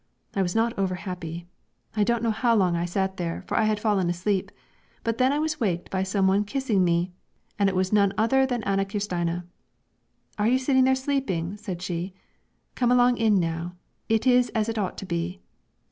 I was not over happy. I don't know how long I sat there, for I had fallen asleep; but then I was waked by some one kissing me, and it was no other than Ane Kirstine. 'Are you sitting there sleeping?' said she; 'come along in now, it is as it ought to be.